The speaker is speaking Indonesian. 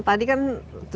dari negara ke negara